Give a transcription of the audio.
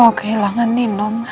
aku gak mau kehilangan nino